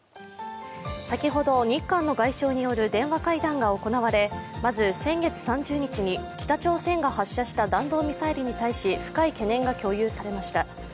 先ほど、日韓の外相による電話会談が行われまず先月３０日に北朝鮮が発射した弾道ミサイルに対し深い懸念が共有されました。